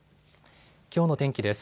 きょうの天気です。